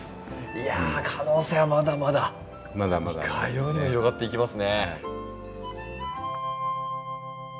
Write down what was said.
いや可能性はまだまだいかようにも広がっていきますね。